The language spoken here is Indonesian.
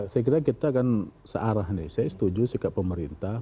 saya kira kita akan searah nih saya setuju sikap pemerintah